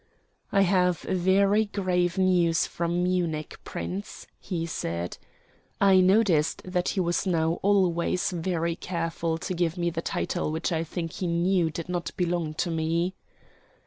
"I have very grave news from Munich, Prince," he said. I noticed that he was now always very careful to give me the title which I think he knew did not belong to me.